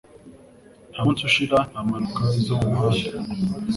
Ntamunsi ushira nta mpanuka zo mumuhanda.